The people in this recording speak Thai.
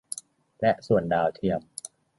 และส่วนดาวเทียม